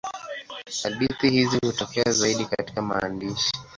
Hadithi hizi hutokea zaidi katika maandishi.